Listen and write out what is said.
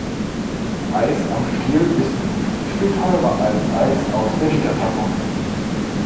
Eis am Stiel ist viel teurer als Eis aus der Literpackung.